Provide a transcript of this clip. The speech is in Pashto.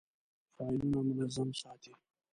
فایلونه منظم ساتئ؟